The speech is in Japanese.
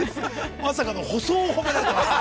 まさかの舗装を褒められてますね。